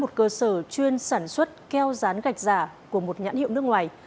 một cơ sở chuyên sản xuất keo rán gạch giả của một nhãn hiệu nước ngoài